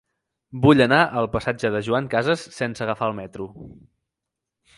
Vull anar al passatge de Joan Casas sense agafar el metro.